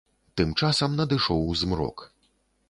Тым часам надышоў змрок.